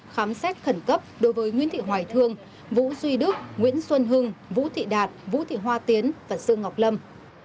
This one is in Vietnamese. khám xét khẩn cấp đối với nguyễn thị hoài thương vũ duy đức nguyễn xuân hưng vũ thị đạt vũ thị hoa tiến và sư ngọc lâm